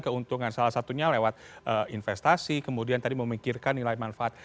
keuntungan salah satunya lewat investasi kemudian tadi memikirkan nilai manfaat